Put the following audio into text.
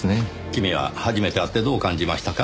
君は初めて会ってどう感じましたか？